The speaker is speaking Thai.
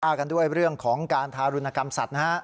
กันด้วยเรื่องของการทารุณกรรมสัตว์นะฮะ